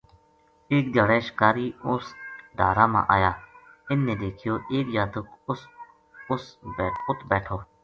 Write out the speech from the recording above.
اک دھیاڑے اشکاری اُس ڈھارا ما آیا اِنھ نے دیکھیو ایک جاتک اُ ت بیٹھو